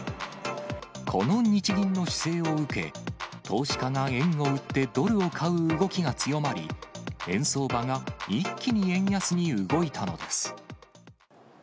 この日銀の姿勢を受け、投資家が円を売ってドルを買う動きが強まり、円相場が一気に円安に動いたのです。